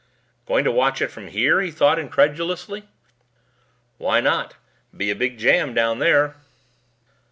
"Going to watch it from here?" he thought incredulously. "Why not? Be a big jam down there."